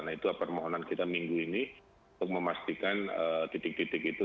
nah itulah permohonan kita minggu ini untuk memastikan titik titik itu